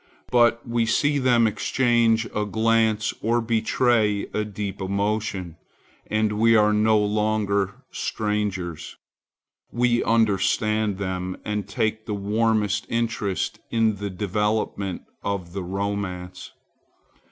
But we see them exchange a glance, or betray a deep emotion, and we are no longer strangers. We understand them, and take the warmest interest in the development of the romance.